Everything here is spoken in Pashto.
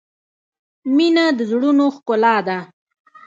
• مینه د زړونو ښکلا ده.